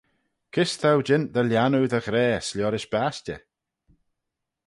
Kys t'ou jeant dty lhiannoo dy ghrayse liorish bashtey?